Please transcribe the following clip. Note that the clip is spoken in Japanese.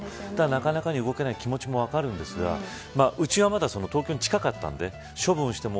なかなかに動けない気持ちも分かるんですが、うちはまだ東京に近かったので処分をしても